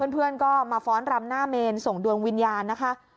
เพื่อนก็มาฟ้อนรำหน้าเมนส่งดวงวิญญาณนะคะ